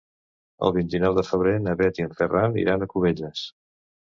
El vint-i-nou de febrer na Bet i en Ferran iran a Cubelles.